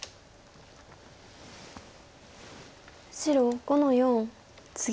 白５の四ツギ。